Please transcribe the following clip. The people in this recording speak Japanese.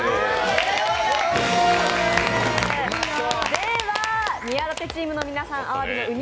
では宮舘チームの皆さんあわびのうに